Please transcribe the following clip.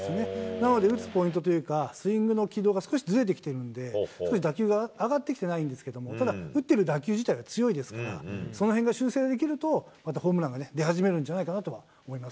なので、打つポイントというか、スイングの軌道が少しずれてきているので、打球が上がってきてないんですけども、ただ、打ってる打球自体は強いですから、そのへんが修正できるとまたホームランが出始めるんじゃないかな